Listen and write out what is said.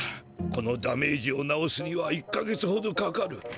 このダメージを直すには１か月ほどかかる。